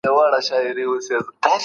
او د زعفرانو په بوی به معطر وي.